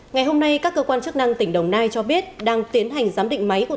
ngày hôm nay các cơ quan chức năng tỉnh đồng nai cho biết đang tiến hành giám định máy của tổ quốc